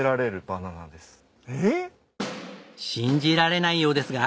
信じられないようですが。